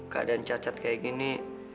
keadaan cacat kayak gini